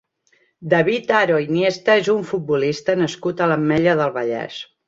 David Haro Iniesta és un futbolista nascut a l'Ametlla del Vallès.